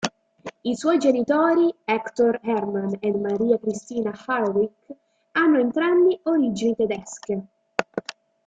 I suoi genitori, Héctor Herrmann and María Cristina Heinrich, hanno entrambi origini tedesche.